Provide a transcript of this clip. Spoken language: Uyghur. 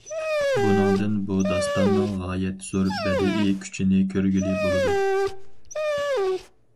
بۇنىڭدىن بۇ داستاننىڭ غايەت زور بەدىئىي كۈچىنى كۆرگىلى بولىدۇ.